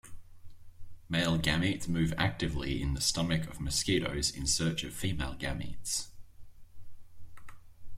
Male gametes move actively in the stomach of mosquitoes in search of female gametes.